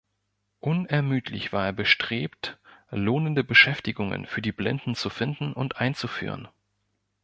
Unermüdlich war er bestrebt, lohnende Beschäftigungen für die Blinden zu finden und einzuführen.